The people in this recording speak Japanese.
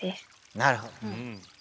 なるほど。